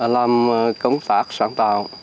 làm công tác sáng tạo